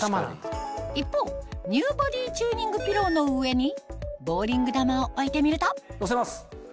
一方ＮＥＷボディーチューニングピローの上にボウリング球を置いてみるとのせます。